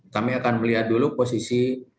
kami akan melihat dulu posisi